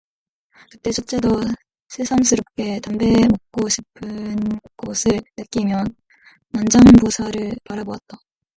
그때 첫째도 새삼스럽게 담배 먹고 싶은 것을 느끼며 난장보살을 바라보았다.